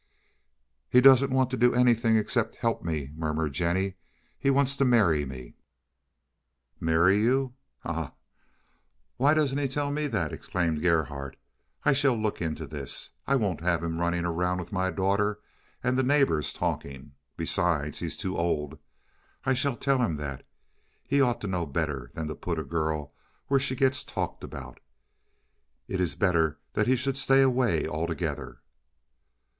"He doesn't want to do anything except help me," murmured Jennie. "He wants to marry me." "Marry you? Ha! Why doesn't he tell me that!" exclaimed Gerhardt. "I shall look into this. I won't have him running around with my daughter, and the neighbors talking. Besides, he is too old. I shall tell him that. He ought to know better than to put a girl where she gets talked about. It is better he should stay away altogether."